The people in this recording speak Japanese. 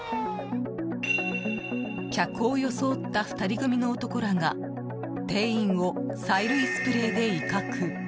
客を装った２人組の男らが店員を催涙スプレーで威嚇。